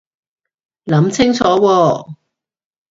諗清楚喎